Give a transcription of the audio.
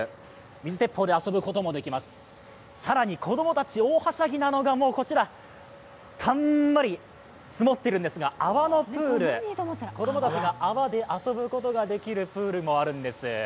水鉄砲で遊ぶこともできます、更に子供たち大はしゃぎなのがたんまり積もってるんですが泡のプール子供たちが泡で遊ぶことができるプールもあるんです。